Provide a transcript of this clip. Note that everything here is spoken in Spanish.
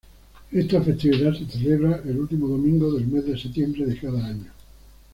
Esta festividad se celebra, el último domingo del mes de septiembre de cada año.